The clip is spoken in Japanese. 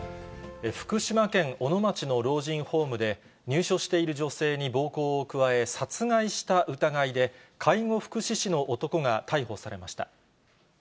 福島県小野町の老人ホームで、入所している女性に暴行を加え、殺害した疑いで介護福祉士の男が逮捕されました。